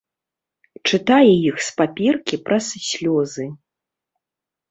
Чытае іх з паперкі праз слёзы.